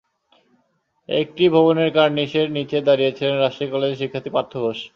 একটি ভবনের কার্নিশের নিচে দাঁড়িয়ে ছিলেন রাজশাহী কলেজের শিক্ষার্থী পার্থ ঘোষ।